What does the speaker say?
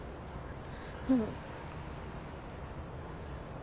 うん。